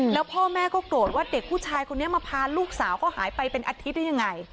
แล้วพ่อแม่ก็โกรธว่าเด็กผู้ชายคนนี้มาพาลูกสาวเขาหายไปเป็นอาทิตย์ได้ยังไง